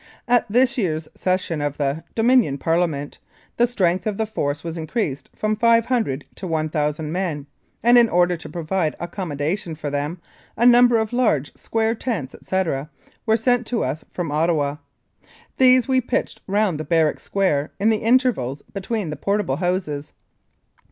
At this year's session of the Dominion Parliament the strength of the force was increased from 500 to 1,000 men, and in order to provide accommodation for them a number of large square tents, etc., were sent to us from Ottawa. These we pitched round the barrack square in the intervals between the portable houses.